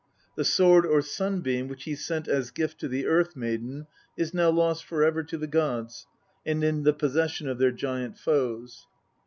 The sword or sun beam which he sent as gift to the earth maiden is now lost for ever to the gods, and in the possession of their giant foes.